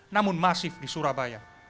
namun masif di surabaya